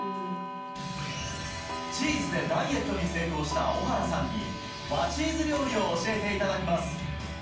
チーズでダイエットに成功した小原さんに和チーズ料理を教えていただきます